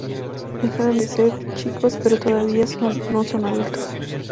Dejaron de ser chicos, pero todavía no son adultos.